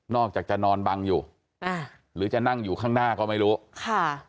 อกจากจะนอนบังอยู่อ่าหรือจะนั่งอยู่ข้างหน้าก็ไม่รู้ค่ะ